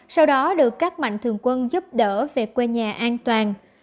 sau đó được các mạnh thường quân giúp đỡ về quê nhà an toàn